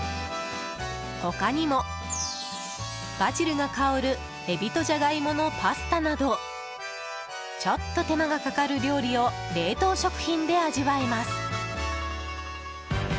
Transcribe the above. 他にも、バジルが香るエビとジャガイモのパスタなどちょっと手間がかかる料理を冷凍食品で味わえます。